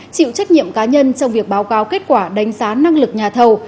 chịu trách nhiệm cá nhân trong việc báo cáo kết quả đánh giá năng lực nhà thầu